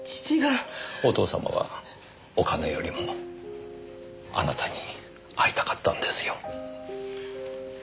お父様はお金よりもあなたに会いたかったんですよ。